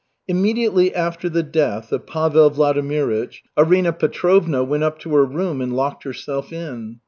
Immediately after the death of Pavel Vladimirych, Arina Petrovna went up to her room and locked herself in.